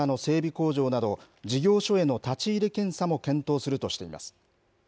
工場など、事業所への立ち入り検査も検討するとしています。